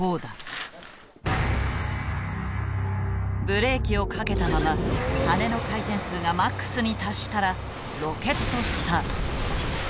ブレーキをかけたまま羽根の回転数がマックスに達したらロケットスタート。